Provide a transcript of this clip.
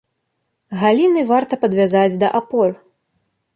Галіны варта падвязаць да апор.